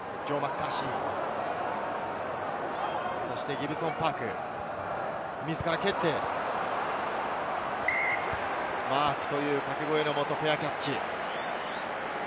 ギブソン＝パーク自ら蹴って、マークという掛け声のもと、フェアキャッチ。